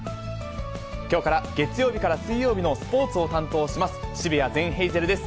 きょうから、月曜日から水曜日のスポーツを担当します、澁谷善ヘイゼルです。